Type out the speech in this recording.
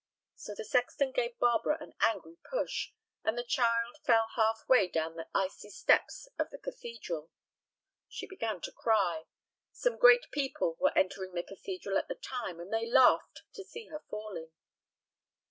So the sexton gave Barbara an angry push, and the child fell half way down the icy steps of the cathedral. She began to cry. Some great people were entering the cathedral at the time, and they laughed to see her falling.